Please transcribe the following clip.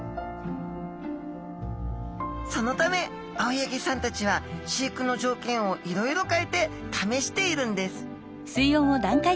そのため青柳さんたちは飼育の条件をいろいろ変えてためしているんです